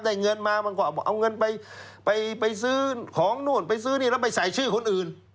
เงินมามันก็เอาเงินไปไปซื้อของนู่นไปซื้อนี่แล้วไปใส่ชื่อคนอื่น